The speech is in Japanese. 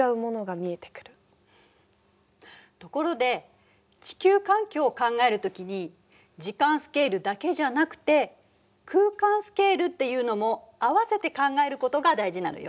ところで地球環境を考える時に時間スケールだけじゃなくて空間スケールっていうのも合わせて考えることが大事なのよ。